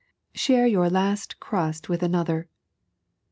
Share your last crust with another.